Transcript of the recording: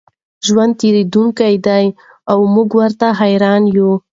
ژوند تېرېدونکی دی او موږ ورته حېران یو.